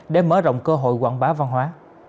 để mở rộng cơ hội quảng bá văn hóa